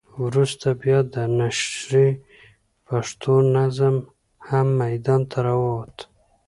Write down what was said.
وروسته بیا د نشرې پښتو نظم هم ميدان ته راووت.